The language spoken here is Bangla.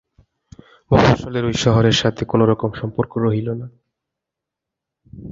মফস্বলের ঐ শহরের সাথে কোনো রকম সম্পর্ক রইল না।